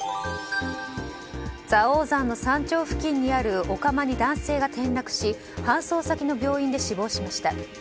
蔵王山の山頂付近にあるお釜に男性が転落し搬送先の病院で死亡しました。